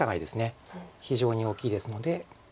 非常に大きいですので。